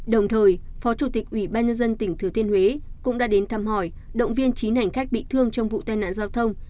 đồng thời phó chủ tịch ủy ban nhân dân tỉnh thừa thiên huế cũng đã đến thăm hỏi động viên chín hành khách bị thương trong vụ tai nạn giao thông